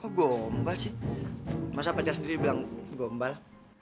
oh gombal sih masa pacar sendiri bilang gombal